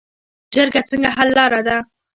جرګه څنګه حل لاره ده؟